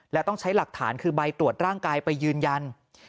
และต้องใช้หลักฐานคือใบตรวจร่างกายไปยืนยัน